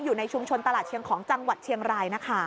อยู่ในชุมชนตลาดเชียงของจังหวัดเชียงรายนะคะ